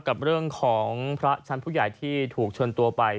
กับเรื่องของพระชั้นผู้ใหญ่ที่ถูกเชิญตัวไป